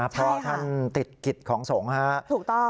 เพราะท่านติดกิจของสงฆ์ถูกต้อง